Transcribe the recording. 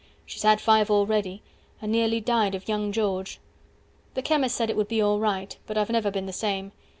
(She's had five already, and nearly died of young George.) 160 The chemist said it would be alright, but I've never been the same.